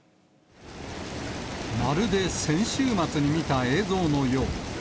まるで先週末に見た映像のよう。